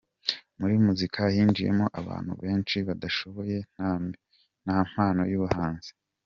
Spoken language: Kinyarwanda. Muri muzika hinjiyemo abantu benshi badashoboye, nta n’impano y’ubahanzi.